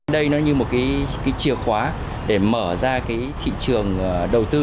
đây nó như một chiều khóa để mở ra thị trường đầu tư